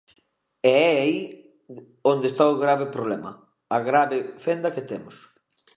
E é aí onde está o grave problema, a grave fenda que temos.